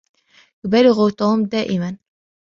يبالغ توم دائما.